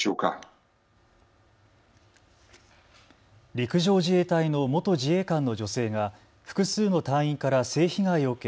陸上自衛隊の元自衛官の女性が複数の隊員から性被害を受け